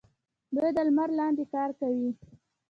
دوی د لمر لاندې کار کوي.